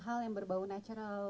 hal yang berbau natural